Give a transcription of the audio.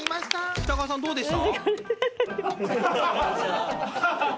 北川さんどうでした？